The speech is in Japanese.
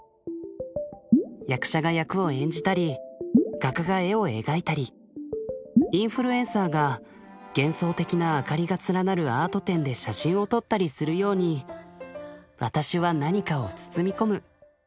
役者が役を演じたり画家が絵を描いたりインフルエンサーが幻想的な明かりが連なるアート展で写真を撮ったりするように私は何かを包み込む。